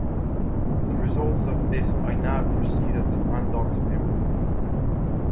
The results of this I now proceeded to hand on to him.